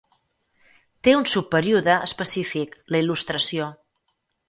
Té un subperíode específic, la Il·lustració.